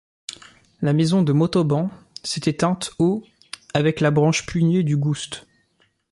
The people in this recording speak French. La maison de Montauban s'est éteinte au avec la branche puinée du Goust.